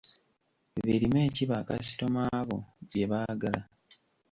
Birime ki bakasitoma bo bye baagala?